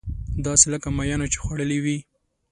داسې لکه ماهيانو چې خوړلې وي.